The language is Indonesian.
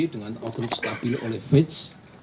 dengan oknum stabil oleh fitch